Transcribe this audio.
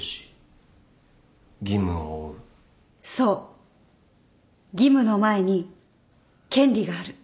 義務の前に権利がある。